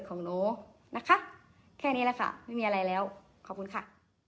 ของหนูนะคะแค่นี้แหละค่ะไม่มีอะไรแล้วขอบคุณค่ะ